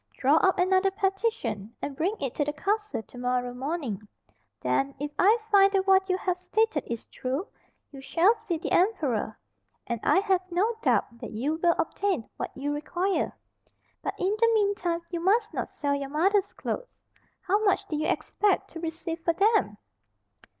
Draw up another petition, and bring it to the castle to morrow morning; then, if I find that what you have stated is true, you shall see the emperor, and I have no doubt that you will obtain what you require. But in the mean time you must not sell your mother's clothes.—How much did you expect to receive for them?"